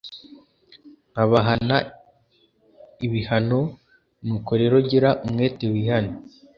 nkabahana ibihano. Nuko rero gira umwete wihane